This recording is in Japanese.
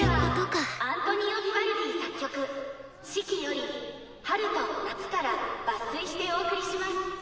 続いてはアントニオ・ヴィヴァルディ作曲「四季」より「春」と「夏」から抜粋してお送りします。